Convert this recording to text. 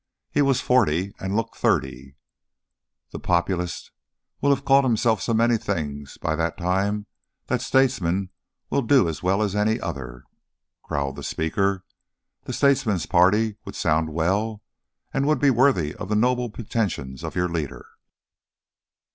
He was forty and looked thirty. "The Populist will have called himself so many things by that time that 'statesman' will do as well as any other," growled the Speaker. "'The Statesmen's Party' would sound well, and would be worthy of the noble pretensions of your leader."